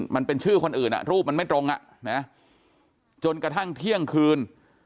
มันเป็นชื่อคนอื่นรูปมันไม่ตรงอ่ะนะจนกระทั่งเที่ยงคืน